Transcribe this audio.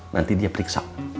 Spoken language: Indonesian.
nanti dia periksa